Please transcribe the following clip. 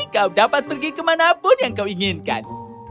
kau dapat pergi kemanapun yang kau inginkan